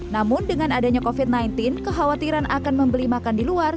namun dengan adanya covid sembilan belas kekhawatiran akan membeli makan di luar